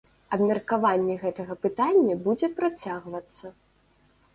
Абмеркаванне гэтага пытання будзе працягвацца.